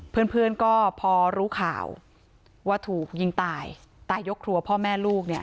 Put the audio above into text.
พี่ก็พอรู้ข่าวว่าถูกยิงตายตายยกครัวพ่อแม่ลูก